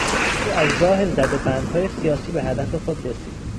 او از راه زد و بندهای سیاسی به هدف خود رسید.